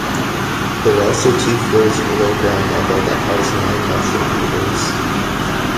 There are also two floors below ground level that house nine lecture theatres.